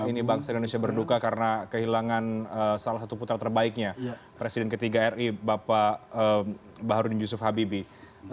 ini bangsa indonesia berduka karena kehilangan salah satu putra terbaiknya presiden ketiga ri bapak baharudin yusuf habibie